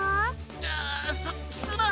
ああすすまん！